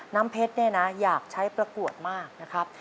น้ำเพชรเนี่ยนะอยากใช้ประกวดมากนะครับ